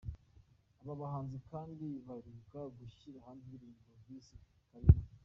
Aba bahanzi kandi baheruka gushyira hanze indirimbo bise ‘Karina’.